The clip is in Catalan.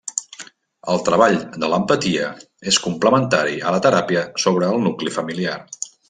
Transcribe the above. El treball de l'empatia és complementari a la teràpia sobre el nucli familiar.